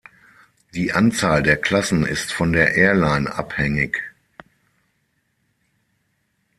Die Anzahl der Klassen ist von der Airline abhängig.